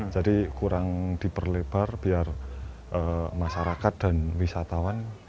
kurang diperlebar biar masyarakat dan wisatawan